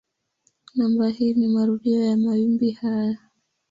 Namba hii ni marudio ya mawimbi haya.